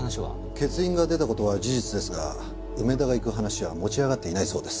欠員が出た事は事実ですが梅田が行く話は持ち上がっていないそうです。